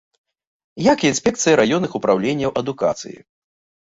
Як і інспекцыі раённых упраўленняў адукацыі.